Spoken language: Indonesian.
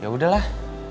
ya udah lah